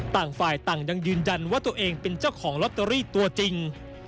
ต่างฝ่ายต่างยังยืนยันว่าตัวเองเป็นเจ้าของลอตเตอรี่ตัวจริง